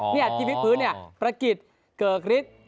เนี่ยที่วิกพื้นเนี่ยประกิจเกิกฤทธิ์